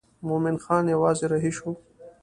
مومن خان یوازې رهي شو.